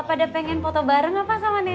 gapada pengen foto bareng apa sama nenek